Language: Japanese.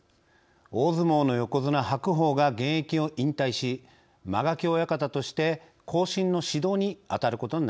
大相撲の横綱白鵬が現役を引退し間垣親方として後進の指導にあたることになりました。